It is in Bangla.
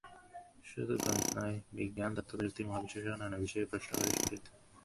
শুধু গণিত নয়, বিজ্ঞান, তথ্যপ্রযুক্তি, মহাবিশ্বসহ নানা বিষয়ে প্রশ্ন করে শিক্ষার্থীরা।